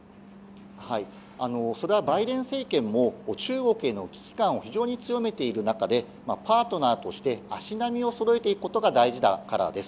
バイデン政権も中国への危機感を非常に強めている中でパートナーとして足並みをそろえていくことが大事だからです。